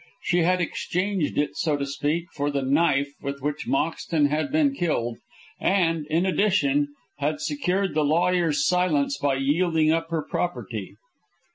She had exchanged it, so to speak, for the knife with which Moxton had been killed, and, in addition, had secured the lawyer's silence by yielding up her property.